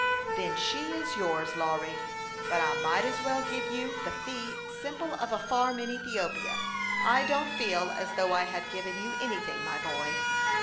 " Then she is yours, Lawry ; but I might as well give you the fee simple of a farm in Ethiopia. I don't feel as though I had given you anything, my boy."